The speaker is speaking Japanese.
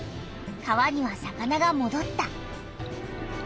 川には魚がもどった。